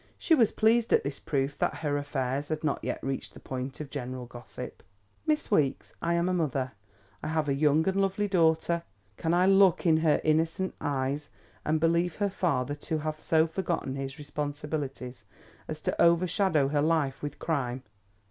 She was pleased at this proof that her affairs had not yet reached the point of general gossip. "Miss Weeks, I am a mother. I have a young and lovely daughter. Can I look in her innocent eyes and believe her father to have so forgotten his responsibilities as to overshadow her life with crime?